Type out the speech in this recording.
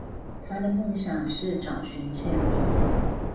她的夢想是找尋簽名